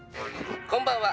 「こんばんは。